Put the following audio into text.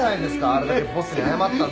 あれだけボスに謝ったんだから。